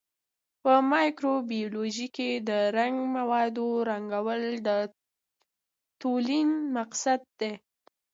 په مایکروبیولوژي کې د رنګه موادو رنګول د تلوین مقصد دی.